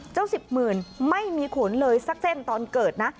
สิบหมื่นไม่มีขนเลยสักเส้นตอนเกิดนะ